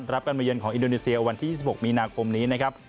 รับการมาเยินของอินโดนีเซียวันที่๒๖มีนาคมนี้นะครับ